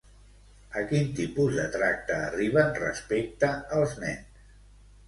A quin tipus de tracte arriben respecte als nens?